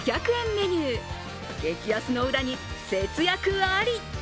メニュー激安の裏に節約あり。